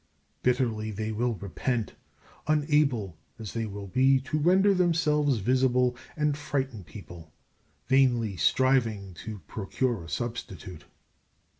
Bitterly will they repent, unable as they will be to render themselves visible and frighten people, vainly striving to procure a substitute.